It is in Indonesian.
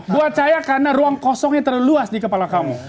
buat saya karena ruang kosongnya terlalu luas di kepala kamu